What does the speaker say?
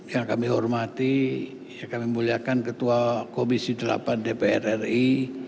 yang kami hormati yang kami muliakan ketua komisi delapan dpr ri